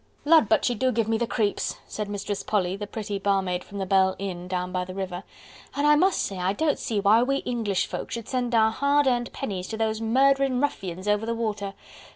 "Lud! but she do give me the creeps," said Mistress Polly, the pretty barmaid from the Bell Inn, down by the river. "And I must say that I don't see why we English folk should send our hard earned pennies to those murdering ruffians over the water.